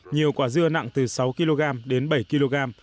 nhiều quả dưa nặng từ sáu kg đến bảy kg